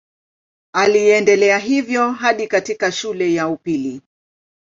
Aliendelea hivyo hadi katika shule ya upili.